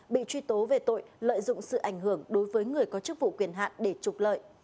bị truy tố về tội lợi dụng sự ảnh hưởng đối với người có chức vụ quyền hạn để trục lợi